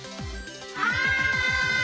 はい！